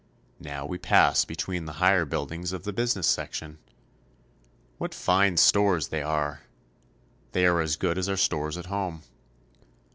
Now we pass between the higher buildings of the business section. What fine stores they are ! They are as good as our stores at home.